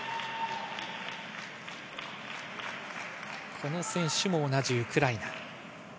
この選手も同じウクライナ。